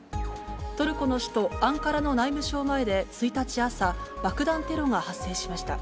トルコの首都アンカラの内務省前で１日朝、爆弾テロが発生しました。